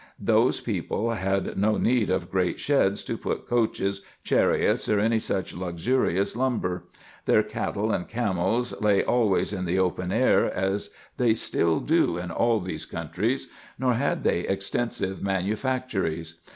Those people had no need of great sheds to put coaches, chariots, or any such luxurious lumber. Their cattle and camels lay always in the open air, as they still do in all these countries : nor had they extensive manufactories.